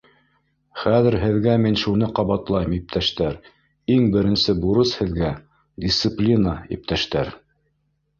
Хәҙер һеҙгә мин шуны ҡабатлайым, иптәштәр, иң беренсе бурыс һеҙгә — дисциплина, иптәштәр.